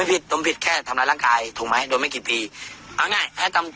นี้โดมก็ไม่โสหน่อย